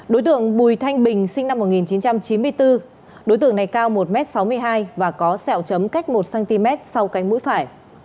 đối tượng bùi thanh bình sinh năm một nghìn chín trăm chín mươi bốn đối tượng này cao một m sáu mươi hai và có sẹo chấm cách một cm sau cánh mũi phải